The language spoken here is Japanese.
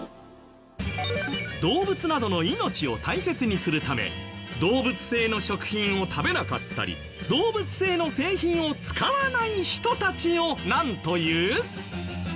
動物などの命を大切にするため動物性の食品を食べなかったり動物性の製品を使わない人たちをなんという？